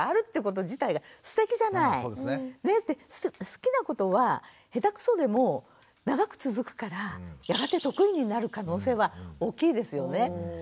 好きなことは下手くそでも長く続くからやがて得意になる可能性は大きいですよね。